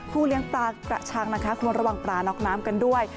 เลี้ยงปลากระชังนะคะควรระวังปลาน็อกน้ำกันด้วย